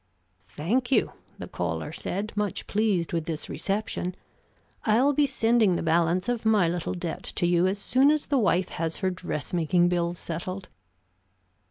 "Thank you," the caller said, much pleased with this reception. "I'll be sending the balance of my little debt to you as soon as the wife has her dressmaking bills settled."